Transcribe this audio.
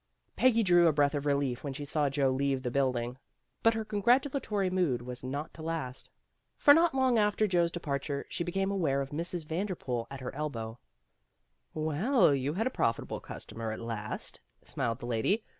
Peggy drew a breath of relief when she saw Joe leave the building. But her congratu latory mood was not to last. For not long after Joe's departure, she became aware of Mrs. Vanderpool at her elbow. "Well, you had a profitable customer at last," smiled the lady.